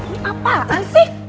ini apaan sih